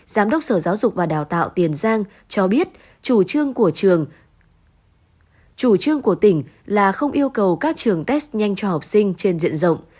học đốc sở giáo dục và đào tạo tiền giang cho biết chủ trương của tỉnh là không yêu cầu các trường test nhanh cho học sinh trên diện rộng